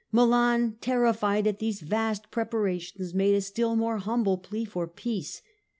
Milan, terrified at these vast preparations, made a still more humble plea for peace.